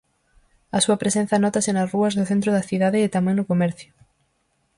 A súa presenza nótase nas rúas do centro da cidade e tamén no comercio.